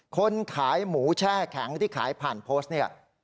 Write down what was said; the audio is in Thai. คนขายหมูแช่แข็งที่ขายผ่านโพสต์เนี่ย